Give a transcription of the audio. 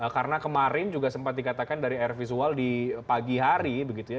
karena kemarin juga sempat dikatakan dari air visual di pagi hari begitu ya